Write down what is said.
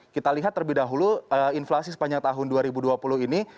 kita lihat terlebih dahulu inflasi sepanjang tahun dua ribu dua puluh ini